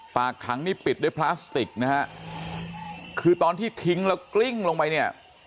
ปากถังนี่ปิดด้วยพลาสติกนะฮะคือตอนที่ทิ้งแล้วกลิ้งลงไปเนี่ย